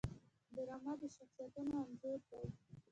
ډرامه د شخصیتونو انځور دی